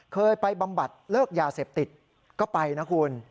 เคยไปบำบัดเลิกยาเสพติดก็ไปนะคุณ